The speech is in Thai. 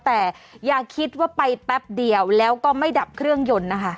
แต่อย่าคิดว่าไปแป๊บเดียวแล้วก็ไม่ดับเครื่องยนต์นะคะ